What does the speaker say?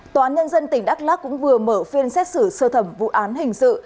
tòa án nhân dân tỉnh đắk lắc cũng vừa mở phiên xét xử sơ thẩm vụ án hình sự